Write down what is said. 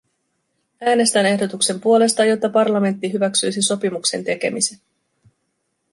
Äänestän ehdotuksen puolesta, jotta parlamentti hyväksyisi sopimuksen tekemisen.